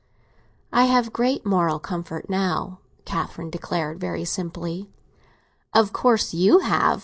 "I have great moral comfort now," Catherine declared, very simply. "Of course you have.